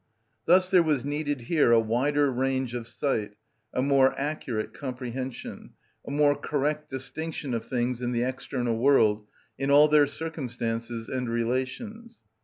Thus there was needed here a wider range of sight, a more accurate comprehension, a more correct distinction of things in the external world, in all their circumstances and relations.